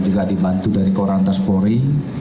juga dibantu dari korantas polri